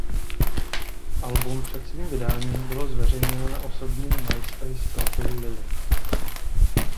Album před svým vydáním bylo zveřejněno na osobním Myspace profilu Lily.